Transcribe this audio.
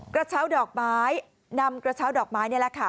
กระเช้าดอกไม้นำกระเช้าดอกไม้นี่แหละค่ะ